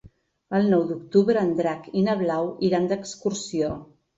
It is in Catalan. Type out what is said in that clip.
El nou d'octubre en Drac i na Blau iran d'excursió.